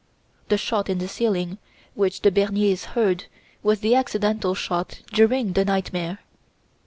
The shot in the ceiling which the Berniers heard was the accidental shot during the nightmare.